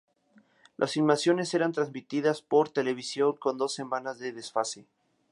Las filmaciones eran transmitidas por televisión con dos semanas de desfase.